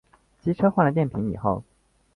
机车换了电瓶以后